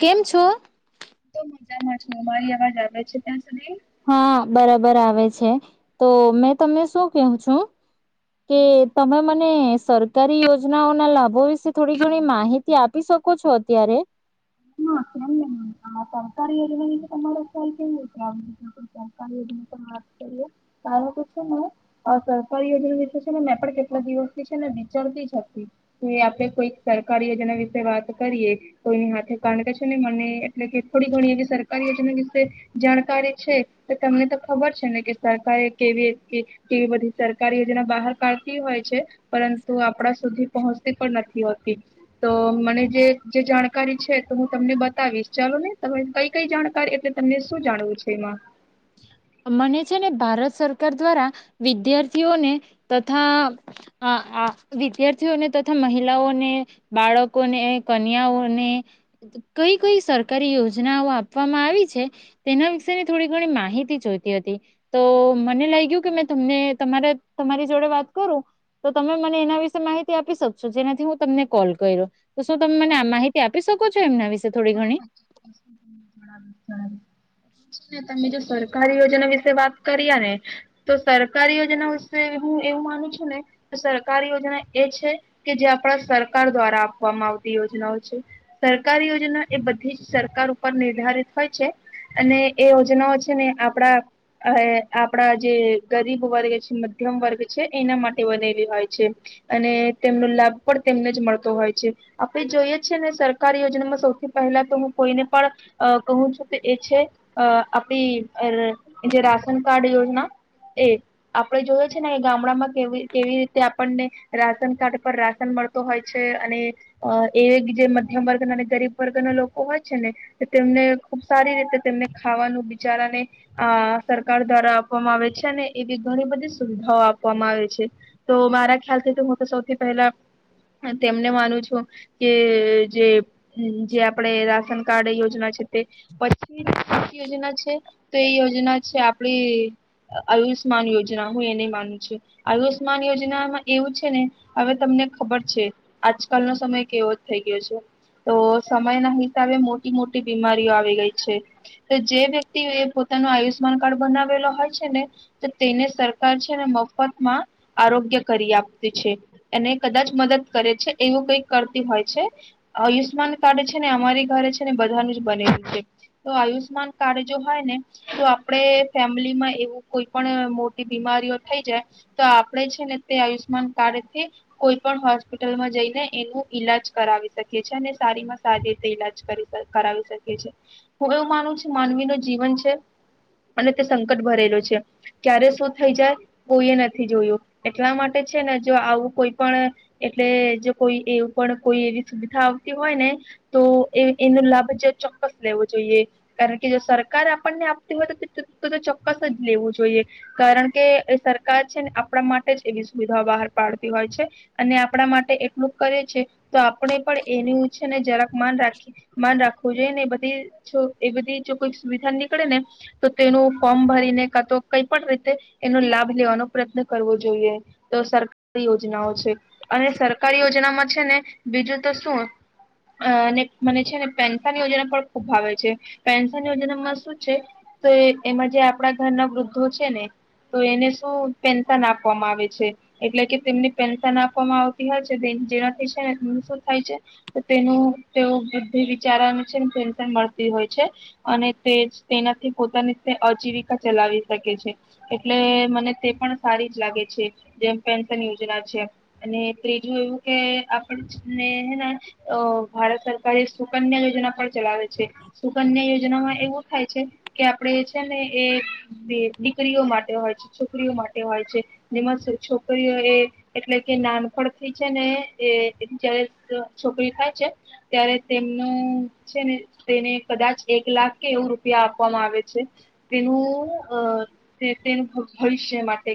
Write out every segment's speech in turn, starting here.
કેમ છો. જામાં છું મારી અવાજ આવે છે ત્યાં. સુધી? હા. બરાબર આવે છે તો મેં તમને શું કહું છું. કે તમે મ ને સરકારી યોજનાઓના લાભો વિશે થોડી ઘણી માહિતી આપી શકો છો અત્યારે? હ સરકારી યોજના તમારો ખ્યાલ કે સરકારી યોજના પણ વાત કરીએ. [inaudible] તો કારણ, તો છેને સરકારી યોજના વિશે છે ને મેં પણ કેટલા દિવસથી છે ને વિચરતી જ હતી કે આપડે કોઈ સરકારી યોજના વિશે વાત કરીએ કોઈની હાથે ક કે છે ને મને એટલે કે થોડી ઘણી એવી સરકારી યોજના વિશે જાણકારી છે તો તમને તો ખબર છે ને કે, સરકારે કેવી કેવી બધી સરકારી યોજના બહાર કાઢતી હોય છે પરંતુ આપડા સુધી પહોંચતી પણ નથી હોતી. તો મને જે જાણકારી છે તો હું તમને બતાવીશ. ચાલો ને તમે કઈ કઈ જાણકારી એટલે તમને શું જાણવું છે એમાં? મને છે ને ભારત સરકાર દ્વારા વિદ્યાર્થીઓને તથા આ આ વિદ્યાર્થીઓને તથા મહિલાઓને બાળકોને કન્યાઓને કઈ કઈ સરકારી યોજનાઓ આપવામાં આવી છે તેના વિશેની થોડી ઘણી માહિતી જોતી હતી. તો મને લાગ્યું કે મેં તમને તમારા તમારી જોડે વાત કરું તો તમે મને એના વિશે માહિતી આપી શકશો જેનાથી હું તમને કોલ કર્યો. તો શું તમે આ માહિતી આપ આપી શકો છો એમના વિશે? થોડી ઘણી [unintelligible] સરકારી યોજના વિશે વાત કરીએ ને તો સરકારી યોજના વિશે હું એવું માનું છું ને સરકારી યોજના એ છે કે જે આપણા સરકાર દ્વારા આપવામાં આવતી યોજનાઓ છે. સરકારી યોજના એ બધી જ સરકાર ઉપર નિર્ધારિત હોય છે અને એ યોજનાઓ છે ને આપણા આપણા જે ગરીબ વર્ગ છે, મધ્યમ વર્ગ છે એના માટે બનેલી હોય છે અને તેમનો લાભ પણ તેમને જ મળતો હોય છે. આપણે જોઈએ છે ને સરકાર યોજનામાં સૌથી પહેલા તો હું કોઈને પણ કહું છું કે એ છે આપડી જે રાશન કાર્ડ યોજના એ. આપણે જોય છે ને ગામડામાં કેવી કેવી રીતે આપણને રાશન કાર્ડ પર રાશન મળતો હોય છે અને એ જે મધ્યમ વર્ગ અને ગરીબ વર્ગના લોકો હોય છે ને તેમને ખુબ સારી રીતે તેમને ખાવાનું બિચારાને આ સરકાર દ્વારા આપવામાં આવે છે. અને ને એવી ઘણી બધી સુવિધાઓ આપવામાં આવે છે તો મારા ખ્યાલ થી તો હું તો સૌથી પહેલા તેમને માનું છું કે જે જે આપડે રાશન કાર્ડ યોજના છે. પછી યોજના છે તો એ યોજના છે આપડી આયુષ્માન યોજના. હું એને માનું છું. આયુષ્માન યોજનામાં એવું છે ને હવે તમને ખબર છે આજકાલનો સમય કેવો થઈ ગયો છે. તો સમયના હિસાબે મોટી મોટી બીમારીઓ આવી ગઈ છે. તો જે વ્યક્તિએ પોતાનું આયુષ્યમાન કાર્ડ બનાવેલો હોય છે ને તો તેને સરકાર છે ને મફતમાં આરોગ્ય કરી આપતી છે. એને કદાચ મદદ કરે છે એવું કઈક કરતી હોય છે. આયુષ આયુષ્માન કાર્ડ છે ને અમારી ઘરે છે ને બધાનું જ બનેલું છે. તો આયુષ્માન કાર્ડ જો હોય ને તો આપણે ફેમિલીમાં એવું કોઈ પણ મોટી બીમારીઓ થઈ જાય તો આપણે છે ને તે આયુષ્યમાન કાર્ડ થી કોઈ પણ હોસ્પિટલમાં જઈને એનું ઈલાજ કરાવી શકીએ છે. અને સારી માં સારી રીતે ઈલાજ કરી કરાવી શકીએ. હું એવું માનું છું માનવી જીવન છે અને તે સંકટ ભરેલું છે. ક્યારે શું થઈ જાય કોઈ એ નથી જોયું એટલા માટે છે ને જો આવું કોઈ પણ એટલે જો કોઈ એવું પણ કોઈ એવી સુવિધા હોય ને તો એ એનો લાભ ચોક્કસ લેવો જોઈએ કારણ કે જો સરકાર આપણને આપતી હોય તો ચોક્કસ જ લેવું જોઈએ. કારણ કે એ સરકાર છેને આપણા માટે જ એવી સુવિધા બહાર પાડતી હોય છે. અને આપણા માટે એટલું કરે છે તો આપણે પણ એનું છે ને જરા માન રાખી માન રાખવું જોઈએ ને બ એ છો બધી જો કોઈ સુવિધા નીકળે ને તો તેનું ફોર્મ ભરીને કા તો કઈ પણ રીતે એનો લાભ લેવાનો પ્રયત્ન કરવો જોઈએ. તો સરકારી યોજનાઓ છે. અને સરકારી યોજનામાં છેને બીજુ તો શું અને મને છે ને પેન્શન યોજના પણ ખુબ ભાવે છે. પેન્શન યોજનામાં શું છે તો એ એમાં જે આપણા ઘરના વૃદ્ધો છે ને તો એને શું પેન્શન આપવામાં આવે છે. એટલે કે તેમને પેન્શન આપવામાં આવતી હોય છે જેનાથી છે ને થાય છે. તેનું તે બુદ્ધિ વિચારા છે ને પેન્શન મળતી હોય છે અને તે જ તેનાથી પોતાની અજીવિકા ચલાવી શકે છે. એટલે મને તે પણ સારી જ લાગે છે. જેમ પેન્શન યોજના છે અને ત્રીજું એવું કે આપ ને હે ને ભારત સરકારે સુકન્યા યોજના પણ ચલાવે છે. સુકન્યા યોજનામાં એવું થાય છે કે આપડે છે ને એ દીકરીઓ માટે હોય છે છોકરીઓ માટે હોય છે જેમાં છોકરીઓ એ એટલે કે નાનપણથી છે ને એ જ્યારે છોકરી થાય છે ત્યારે તેમનું છે ને તેને કદાચ એક લાખ કે એવું રૂપિયા આપવામાં આવે છે. તેનું તેનું ભવિષ્ય માટે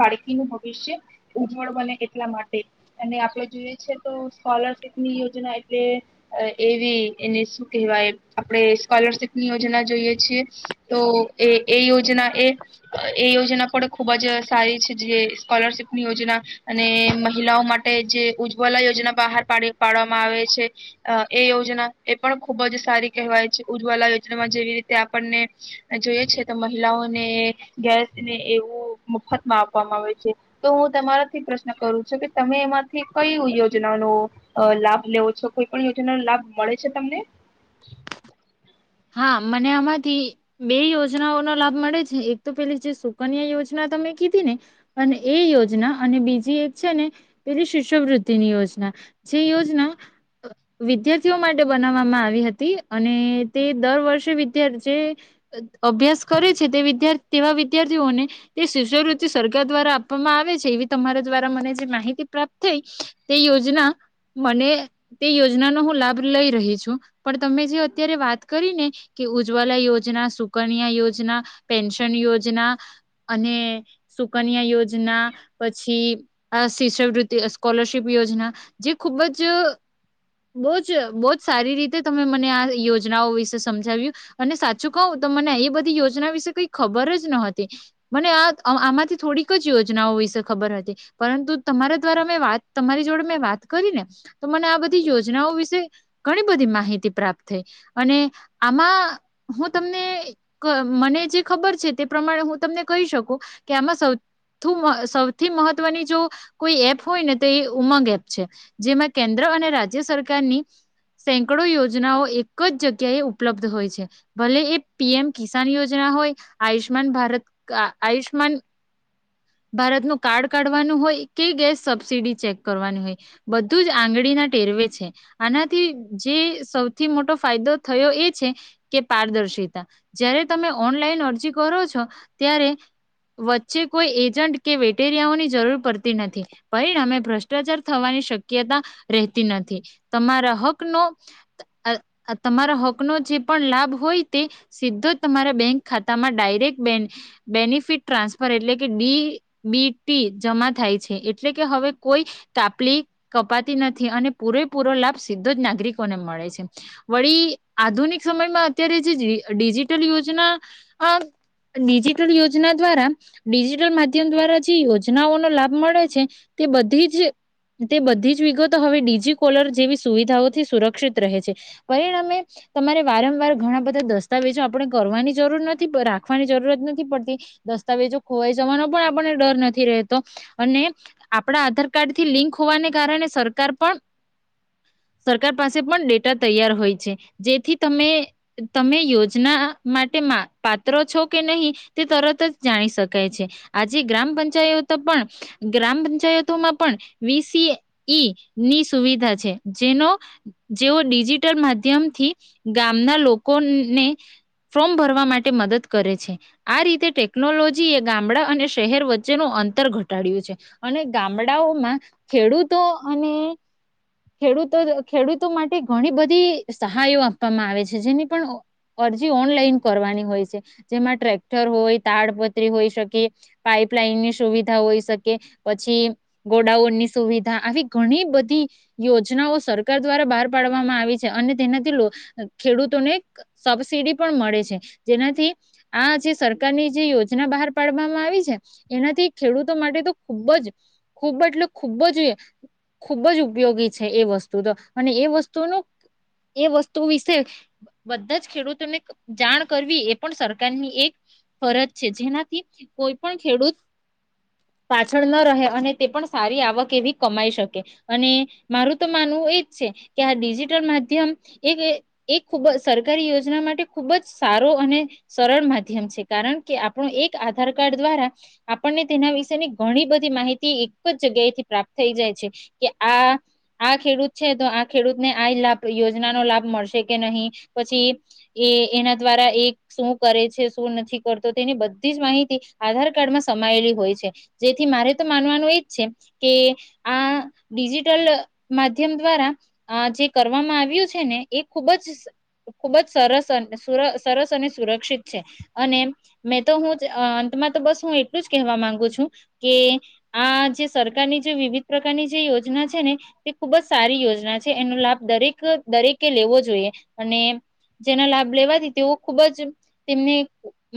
બાળકીનું ભવિષ્ય ઉજ્જવળ બને એટલા માટે અને આપણે જોઈએ છે તો સ્કોલરશિપ ની યોજના એટલે એવી એને શું કહેવાય? આપણે સ્કોલરશિપ ની યોજના જોઈએ છીએ તો એ એ યોજના એ એ યોજના પડે ખૂબજ સારી છે. જે સ્કોલરશીપની યોજના અને મહિલાઓ માટે જે ઉજ્જવલા યો યોજના બહાર પાડી પાડવામાં આવે છે. એ યોજના એ પણ ખુબ જ સારી કહેવાય છે. ઉજ્જવલા યોજનામાં જેવી રીતે આપણને જોઈ છે તો મહિલાઓને ગેસને એવું મફતમાં આપવામાં આવે છે. તો હું તમારાથી પ્રશ્ન કરું છું કે તમે એમાંથી કઈ યોજ યોજના નો લાભ લેવો છો કોઈ પણ યોજના નો લાભ મળે છે તમને? હા, મને આમાંથી બે યોજનાઓનો લાભ મળે છે. એક તો પેલી જે સુકન્યા યોજના તમે કીધી ને અને એ યોજના અને બીજી એક છે ને પેલી શિષ્યવૃદ્ધિની યોજના. જે યોજના વિદ્યાર્થીઓ માટે બનાવવામાં આવી હતી અને તે દર વર્ષે વીધ્યા જે અભ્યાસ કરે છે તે વિધ્યા તેવા વિદ્યાર્થીઓને તે શિષ્યવૃત્તિ સરકાર દ્વારા આપવામાં આવે છે એવી તમારા દ્વારા મને જે માહિતી પ્રાપ્ત થઈ. તે યોજના મને તે યોજનાનો હું લાભ લઈ રહી છું પણ તમે જે અત્યારે વાત કરીને કે ઉજ્જવલા યોજના, સુકન્યા યોજના, પેન્શન યોજના અને સુકન્યા યોજના પછી આ શિષ્યવૃતિ સ્કોલરશીપ યોજના જે ખુબ જ બો જ બો જ સારી રીતે તમે મને આ યોજનાઓ વિશે વિશે સમજાવ્યું અને સાચું કહું તો મને એ બધી યોજના વિશે કઈ ખબર જ ન હતી. મને આ આમાંથી થોડીક જ યોજનાઓ વિશે ખબર હતી, પરંતુ તમારા દ્વારા મેં વાત કરી, તમારી જોડે મેં વાત કરી ને તો મને આ બધી યોજનાઓ વિશે ઘણી બધી માહિતી પ્રાપ્ત થઈ અને આમાં હું તમને મને જે ખબર છે તે પ્રમાણે હું તમને કહી શકું કે, આમાં સૌથું સૌથી મહત્વની જો કોઈ એપ હોય ને તો એ ઉમંગ એપ છે. જેમાં કેન્દ્ર અને રાજ્ય સરકારની સેંકડો યોજનાઓ એક જ જગ કે એ ઉપલબ્ધ હોય છે. ભલે એ પીએમ કિસાન યોજના હોય, આયુષ્યમાન ભારત આયુષ્માન ભારતનું કાર્ડ કાઢવાનું હોય, કે ગેસ સબસીડી ચેક કરવાનું હોય બધું જ આંગળીના ટેરવે છે. આનાથી જે સૌથી મોટો ફાયદો થયો એ છે, કે પારદર્શિતા જયારે તમે ઓનલાઈન અરજી કરો છો ત્યારે વચ્ચે કોઈ એજન્ટ કે વેટેરિયાઓની જરૂર પડતી નથી, પરિણામે ભ્રષ્ટાચાર થવાની શક્યતા રહેતી નથી. તમારા હક નો તમારા હક નો જે પણ લાભ હોય, તે સીધો જ તમારા બેંક ખાતામાં ડાયરેક્ટ બેની બેનિફિટ ટ્રાન્સફર એટલે કે ડીબીટી જમા થાય છે એટલે કે હવે કોઈ કાપલી કપાતી નથી અને પૂરેપૂરો લાભ સીધો જ નાગરિકોને મળે છે. વળી આધુનિક સમયમાં અત્યારે જે ડિજિટલ યોજના ડિજિટલ યોજના દ્વારા ડિજિટલ માધ્યમ દ્વારા જે યોજનાઓનો લાભ મળે છે, તે બધી જ તે બધી જ વિગતો હવે ડિજી કોલર જેવી સુવિધાઓથી સુરક્ષિત રહે છે. પરિણામે તમારે વારંવાર ઘણા બધા દસ્તાવેજો આપણે કરવાની જરૂર નથી, પર રાખવાની જરૂરત નથી પડતી. દસ્તાવેજો ખોવાઈ જવાનો પણ આપણને ડર નથી રહેતો અને આપણા આધાર કાર્ડ થી લિંક હોવાને કારણે સરકાર પણ સરકાર પાસે પણ ડેટા તૈયાર હોય છે, જેથી તમે તમે યોજના માટે પાત્ર છો કે નહીં તે તરત જ જાણી શકાય છે. આજે ગ્રામ પંચાયતો પણ ગ્રામ પંચાયતોમાં પણ વીસી એ ઈ ની સુવિધા છે, જેનો જેઓ ડિજિ ડિજિટલ માધ્યમ થી ગામના લોકોને ફોર્મ ભરવા માટે મદદ કરે છે. આ રીતે ટેકનોલોજી એ ગામડા અને શહેર વચ્ચેનું અંતર ઘટાડ્યું છે અને ગામડાઓમાં ખેડૂતો અને ખેડૂતો માટે ઘણી બધ આ બધી સહાયો આપવામાં આવે છે, જેની પણ અરજી ઓનલાઈન કરવાની હોય છે. જેમાં ટ્રેક્ટર હોય, તાડપત્રી હોઈ શકે, પાઈપલાઈનની સુવિધા હોઈ શકે પછી ગોડાઉનની સુવિધા આવી ઘણી બધી યોજનાઓ સરકાર દ્વારા બહાર પાડવામાં આવી. અને તેનાથી ખેડૂતોને સબસીડી પણ મળે છે, જેનાથી આ જે સરકારની જે યોજના બહાર પાડવામાં આવી છે, એનાથી ખેડૂતો માટે તો ખૂબ જ ખૂબ એટલે ખૂબ જ ખૂબ જ ઉપયોગી છે. એ વસ્તુ તો અને એ વસ્તુનું એ વસ્તુ વિશે બધા જ ખેડૂતોને જાણ કરવી એ પણ સર ની એક ફરજ છે, જેનાથી કોઈ પણ ખેડૂત પાછળ ન રહે અને તે પણ સારી આવક એવી કમાઈ શકે અને મારું તો માનવું એજ છે કે, આ ડિજિટલ માધ્ય માધ્યમ એ ખૂબ જ સરકારી યોજના માટે ખૂબ જ સારો અને સરળ માધ્યમ છે કારણ કે આપણું એક આધાર કાર્ડ દ્વારા આપણને તેના વિશેની ઘણી બધી માહિતી એક જ જગ્યાએથી પ્રાપ્ત થઈ જાય છે કે, આ આ ખેડૂત છે તો આ ખેડૂતને આય લાભ કે યોજના નો લાભ મળશે કે નહી, પછી એ એના દ્વારા એ શું કરે છે, શું નથી કરતો? તેની બધી જ માહિતી આધાર કાર્ડમાં સમાયેલી હોય છે, જેથી મારે તો માનવાનું એજ છે કે આ ડિજિટલ માધ્યમ દ્વારા જે કર કરવામાં આવ્યું છે ને એ ખૂબ જ ખુબ જ સર સરસ અને સુરક્ષિત છે અને મેં તો હું જ અંતમાં તો બસ હું એટલું જ કહેવા માંગુ છું કે, આ જે સરકારની જે વિવિધ પ્રકારની જે યોજના છે ને તે ખૂબ જ સારી યોજના છે એનો લાભ દરેક દરેકે લેવો જોઈએ અને જેના લાભ લેવાથી તેઓ ખુબ જ તેમને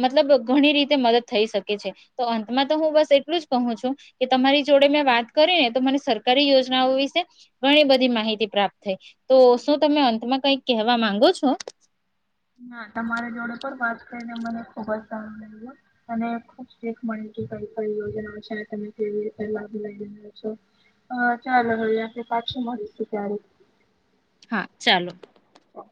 મતલબ ઘણી રીતે મદદ થઈ શકે છે. તો અંતમાં તો હું બસ એટલું જ કહું છું કે તમારી જોડે મેં વાત કરી ને તો મને સરકારી યોજનાઓ વિશે ઘણી બધી માહિતી પ્રાપ્ત થઈ. તો શું તમે અંતમાં કઈક કહેવા માંગો છો? ના તમારી જોડે પણ વાત કરીને મને ખુબ જ સારું લાયગુ અને ખુબ શીખ મળી કે કઈ કઈ યોજના છે. તમે કેવી રીતે લાભ લઈ રહ્યા છો. ચાલો હવે આપડે પાછા મળીશું ત્યારે. હા, ચાલો. હ અ.